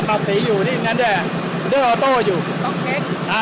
ปรับฝีอยู่ที่ตรงนั้นเนี้ยเดือร์ออโต้อยู่ต้องเช็คอ่า